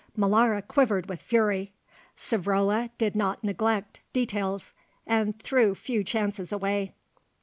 _ Molara quivered with fury. Savrola did not neglect details, and threw few chances away.